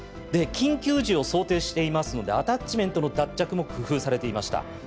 で緊急時を想定していますのでアタッチメントの脱着も工夫されていました。